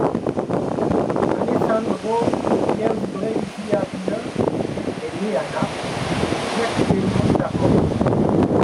Alessandro Ghebreigziabiher est né à Naples et vit actuellement à Rome.